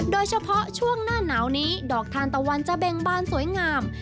โดยเฉพาะช่วงหน้าหนาวนี้ดอกทานตะวันจะเบ่งบานสวยงาม